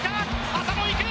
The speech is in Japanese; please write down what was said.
浅野いく！